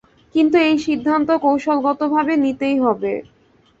কিন্তু এই সিদ্ধান্ত কৌশলগতভাবে নিতেই হবে।